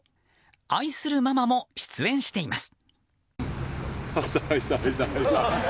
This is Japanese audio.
愛するママも出演しています。